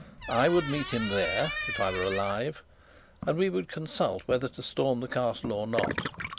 I would meet him there if I were alive, and we would consult whether to storm the Castle or not.